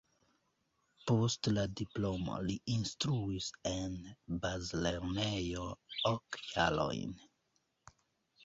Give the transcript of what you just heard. Post la diplomo li instruis en bazlernejo ok jarojn.